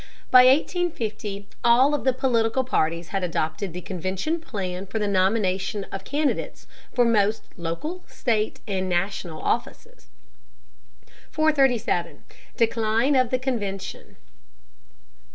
By 1850 all of the political parties had adopted the convention plan for the nomination of candidates for most local, state, and National offices. 437. DECLINE OF THE CONVENTION.